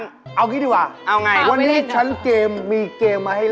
เราก็จะปรับปรุงร้าน